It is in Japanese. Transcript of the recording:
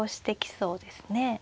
そうですね。